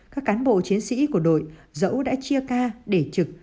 các cán bộ chiến sĩ của đội dẫu đã chia ca để trực